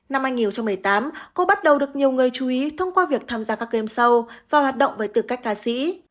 năm hai nghìn một mươi tám cô bắt đầu được nhiều người chú ý thông qua việc tham gia các game show và hoạt động với tư cách ca sĩ